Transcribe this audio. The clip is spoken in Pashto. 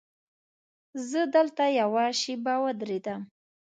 زه دلته یوه شېبه ودرېدم.